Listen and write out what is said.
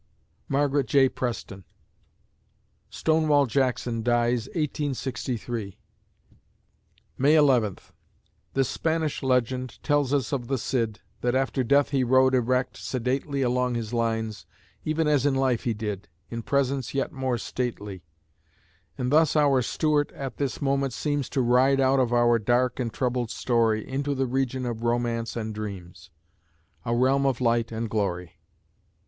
MARGARET J. PRESTON Stonewall Jackson dies, 1863 May Eleventh The Spanish legend tells us of the Cid, That after death he rode erect, sedately Along his lines, even as in life he did, In presence yet more stately. And thus our Stuart at this moment seems To ride out of our dark and troubled story Into the region of romance and dreams, A realm of light and glory.